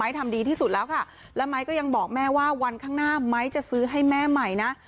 ทำดีที่สุดแล้วค่ะแล้วไม้ก็ยังบอกแม่ว่าวันข้างหน้าไม้จะซื้อให้แม่ใหม่นะ